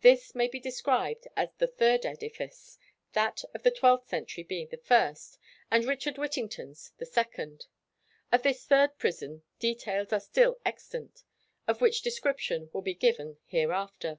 This may be described as the third edifice: that of the twelfth century being the first, and Richard Whittington's the second. Of this third prison details are still extant, of which description will be given hereafter.